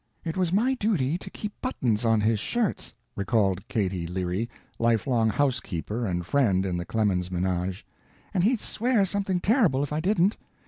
"It was my duty to keep buttons on his shirts," recalled Katy Leary, life long housekeeper and friend in the Clemens menage, "and he'd swear something terrible if I didn't.